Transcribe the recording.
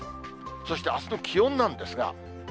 そして、あすの気温なんですが。